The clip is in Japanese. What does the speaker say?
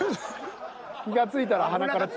気が付いたら鼻から血。